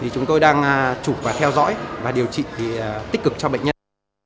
chúng tôi đang chụp và theo dõi và điều trị tích cực cho bệnh nhân